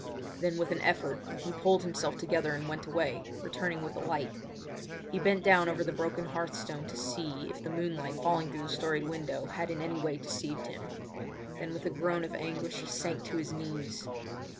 Then with an effort he pulled himself together and went away, returning with a light. He bent down over the broken hearth stone to see if the moonlight falling through the storied window had in any way deceived him. Then with a groan of anguish he sank to his knees.